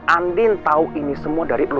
andin tau ini semua dari lo